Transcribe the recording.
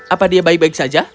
apa dia baik baik saja